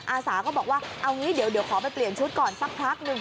อาสาก็บอกว่าเอางี้เดี๋ยวขอไปเปลี่ยนชุดก่อนสักพักหนึ่ง